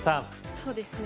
そうですね